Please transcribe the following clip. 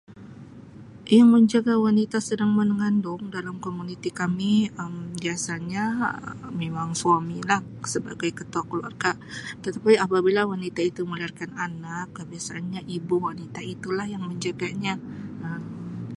Yang menjaga wanita yang sedang mengandung dalam komuniti kami Um biasanya memang suamilah sebagai ketua keluarga tetapi apabila wanita itu melahirkan anak kebiasaanya ibu wanita itu lah yang menjaganya.